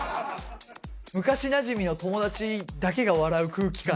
昔なじみの友達だけが笑う空気感。